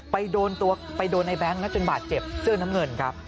ไปโดนตัวไปโดนไอ้แบงค์แล้วจนบาดเจ็บเสื้อนทั้งหมื่นครับ